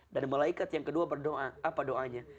dan malaikat yang kedua berdoa apa doanya